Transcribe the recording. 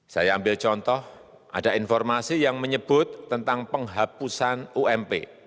saya ambil contoh ada informasi yang menyebut tentang penghapusan ump